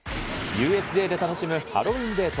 ＵＳＪで楽しむハロウィーンデート。